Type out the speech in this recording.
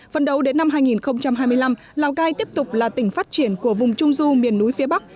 phần đầu đến năm hai nghìn hai mươi năm lào cai tiếp tục là tỉnh phát triển của vùng trung du miền núi phía bắc